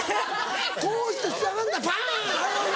こうしてしゃがんだパン！